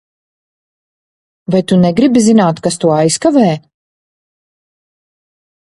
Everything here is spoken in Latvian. Vai tu negribi zināt, kas to aizkavē?